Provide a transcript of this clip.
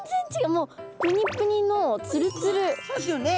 もうそうですよね。